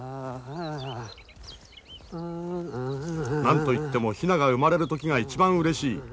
何と言ってもヒナが生まれる時が一番うれしい。